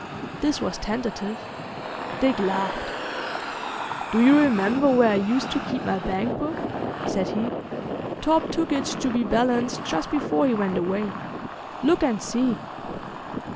This was tentative. Dick laughed. "Do you remember where I used to keep my bank book?" said he. "Torp took it to be balanced just before he went away. Look and see."